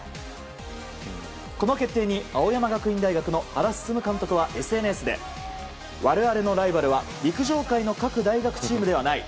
この決定に青山学院大学の原晋監督はＳＮＳで我々のライバルは陸上界の各大学チームではない。